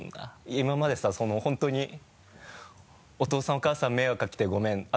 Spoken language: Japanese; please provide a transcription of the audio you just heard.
今までさその本当にお父さんお母さん迷惑かけてごめん。